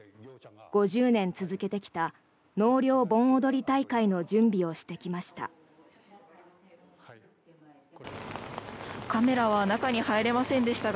５０年続けてきた納涼盆踊り大会の準備をしてきました。